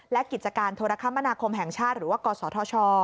และกิจการโทรคมนาคมแห่งชาติหรือว่ากศธช